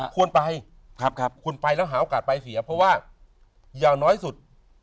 ควรไปควรไปแล้วหาโอกาสไปเสียเพราะว่าอย่างน้อยสุด